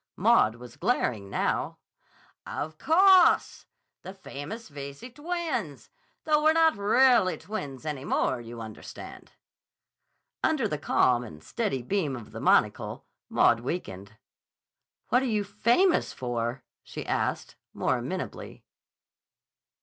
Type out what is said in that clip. Maud was glaring, now. "Of cawse! The famous Veyze twins. Though we're not rahlly twins any more, you understand." Under the calm and steady beam of the monocle, Maud weakened. "What are you famous for?" she asked, more amenably.